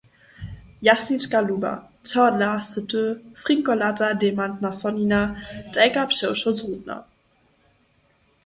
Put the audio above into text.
»Jasnička luba, čehodla sy ty, frinkolata dejmantna sonina, tajka přewšo zrudna?